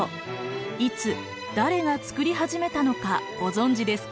いつ誰がつくり始めたのかご存じですか？